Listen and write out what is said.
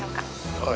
はい。